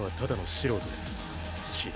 素人？